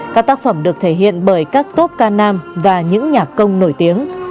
các tác phẩm được thể hiện bởi các tốp ca nam và những nhạc công nổi tiếng